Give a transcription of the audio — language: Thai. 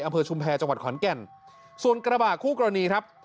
ชุมแพรจังหวัดขอนแก่นส่วนกระบะคู่กรณีครับ